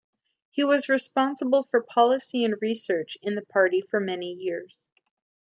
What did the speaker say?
He was responsible for policy and research in the party for many years.